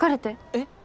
えっ？